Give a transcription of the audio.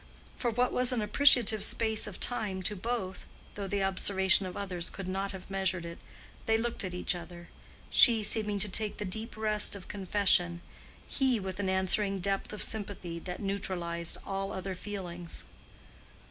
For what was an appreciative space of time to both, though the observation of others could not have measured it, they looked at each other—she seeming to take the deep rest of confession, he with an answering depth of sympathy that neutralized all other feelings.